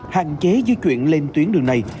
hạn chế di chuyển lên tuyến đường này